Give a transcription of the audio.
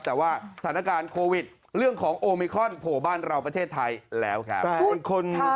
แต่ว่าสถานการณ์โควิดเรื่องของโอมิคอนโผล่บ้านเราประเทศไทยแล้วครับ